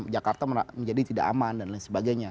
jakarta menjadi tidak aman dan lain sebagainya